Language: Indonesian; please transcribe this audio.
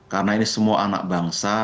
karena ini semua anak bangsa